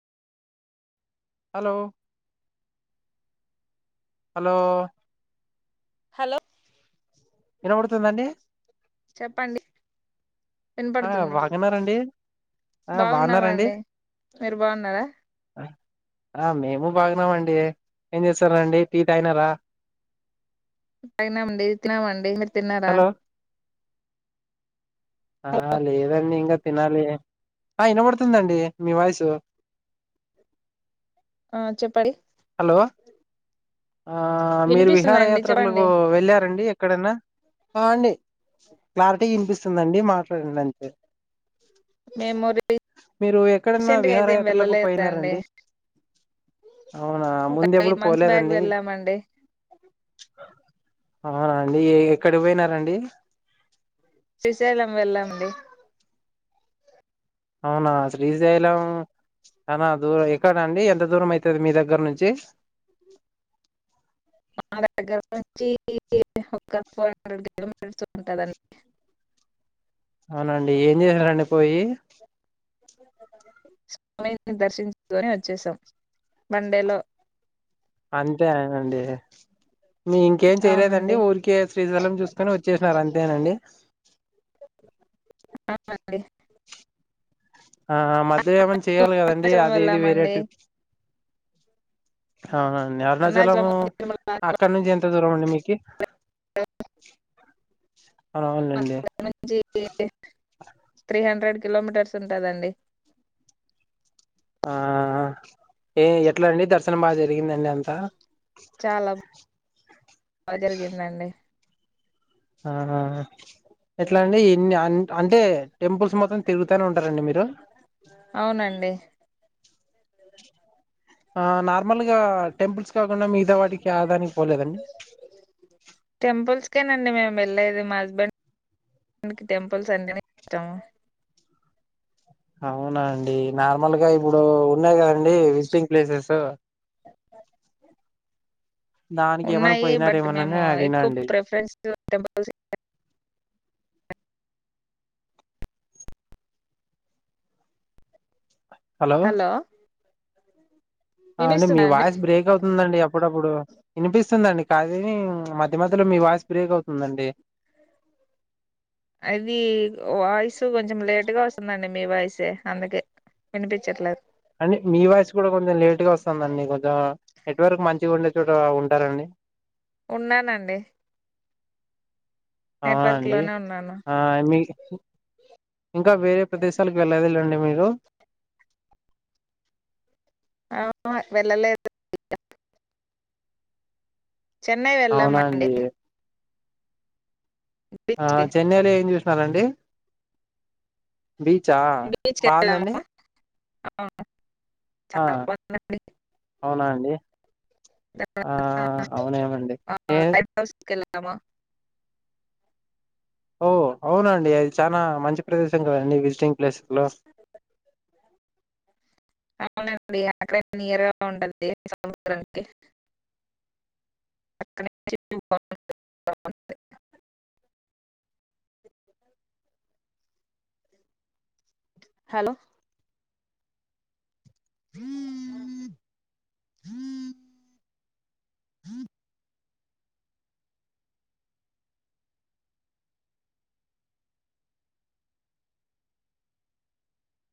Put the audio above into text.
ఓ hello hello వినబడుతుందండి చెప్పండి ఆ వినపడుతుంది బాగన్నారండి బాగున్నారా అండి బాగున్నామండి మీరు బాగున్నారా ఆ మేము బాగున్నామండి ఏం చేస్తారండి టీ తాగినారా తగినమండి తినమా అండి మీరు తిన్నారా హలో ఆ లేదండి ఇంగ తినాలి ఆ వినబడుతుందండి మీ వాయిసు ఆ చెప్పండి హలో ఆ మీరు విహార వినిపిస్తుందండి చెప్పండి యాత్రకులకు వెళ్ళారండి ఎక్కడన్నా అండి క్లారిటీ వినిపిస్తుందండి మాట్లాడండి అంతే మేము మీరు ఎక్కడన్నా రీసెంట్ గా విహార అయితే ఏం యాత్రలోలకు వెళ్ళలేదండి పోయినారండి అవునా ఒక ముందు ఎప్పుడు ఎయిట్ మంత్స్ బ్యాక్ పోలేదండి వెళ్ళామండి అవునాండి ఎక్కడి పోయినారండి శ్రీశైలం వెళ్ళాండి అవునా శ్రీశైలం అనా దూరం ఎక్కడ అండి ఎంత దూరం అయితది మీ దగ్గర నుంచి మా దగ్గర నుంచి ఒ ఫోర్ హండ్రెడ్ కిలోమీటర్స్ ఉంటదండి అవునండి ఏం చేశారండి పోయి స్వామిని దర్శించుకని వచ్చేసాం వండేలో అంతే అనండి మీ ఇంకేం చేయలేదండి అవునండి ఊరికే శ్రీశలం చూసుకొని వచ్చేసినారు అంతేనండి డి ఆ మధ్యామం చేయాలి కదండి అరుణాచలం అది ఇది వెళ్ళామండి వేరేటి అవునండి అరుణాచలము అరుణాచలం అక్కడ నుంచి ఎంత దూరం అండి మీకు కే అవునులేండి నుంచి త్రీ హండ్రెడ్ కిలోమీటర్స్ ఉంటదండి ఆ ఏ ఎట్లా అండి దర్శనం బాగా జరిగిందండి అంతా చాలా బా జరిగిందండి ఆహా ఎట్ల అండి ఇన్ని అంటే టెంపుల్స్ మాత్రం తిరుగు తానే ఉంటారా మీరు అవునండి ఆ నార్మల్గా టెంపుల్స్ కాకుండా మిగతా వాటికి ఏదానికి పోలేదా అండి అంతేనండి మేము వెళ్లేది మా హస్బెండ్ ఆయనకి టెంపుల్స్ అంటే నే ఇష్టం అవునా అండి నార్మల్ గా ఇప్పుడు ఉన్నాయి కదండి విజిటింగ్ ప్లేసెస్ దానికి ఏమైనా ఉన్నాయి బట్ పోయినారేమోనని మేము అడిగినా ఎక్కువ అండి ప్రిఫరెన్స్ టెంపుల్స్ హలో ఆ అండి మీ వాయిస్ బ్రేక్ అవుతుందండి అప్పుడప్పుడు వినిపిస్తుంది అండి కానీ మధ్య మధ్యలో మీ వాయిస్ బ్రేక్ అవుతుందండి అది వాయిసు కొంచెం లేటుగా వస్తుందండి మీ వాయిసే అందుకే వినిపించట్లేదు అండి మీ వాయిస్ కూడా కొంచెం లేట్ గా వస్తుందండి కొంచెం నెట్వర్క్ మం చిగా ఉండే చోట ఉంటారా అండి ఉన్నానండి ఆ నెట్వర్క్ అండి లోనే ఉన్నాను ఆ మీకు ఇంకా వేరే ప్రదేశాలకు వెళ్లలేదా అండి మీరు ఆహా వెళ్ళలేదు ఇంకా చెన్నై అవునా వెళ్ళామండి అండి ఆ కి చెన్నైలో ఏం చూసినారండి బీచా బీచ్ కి బాగుందండి వెళ్ళాము ఆ ఆ అవునా అండి ఆ అవునేమండి ఏ అమా ఓ అవునా అండి అది చానా మంచి ప్రదేశం కదండి విజిటింగ్ ప్లేసెస్లో అవునండి అక్కడ నియర్గా ఉండుద్ది సముద్రానికి [unintelligible] హలో